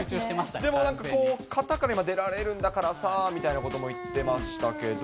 でも、なんか、型から出られるんだからさあ、みたいなことも言ってましたけど。